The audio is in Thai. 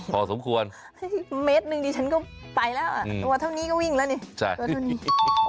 พอสมควรเม็ดนึงดิฉันก็ไปแล้วอ่ะวันเท่านี้ก็วิ่งแล้วเนี่ย